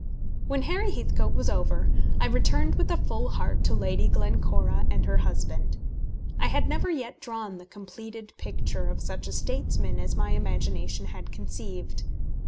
When Harry Heathcote was over, I returned with a full heart to Lady Glencora and her husband. I had never yet drawn the completed picture of such a statesman as my imagination had conceived.